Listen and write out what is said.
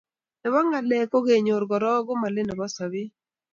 Nebo ngalek ko kenyor koroi komalet nebo sobet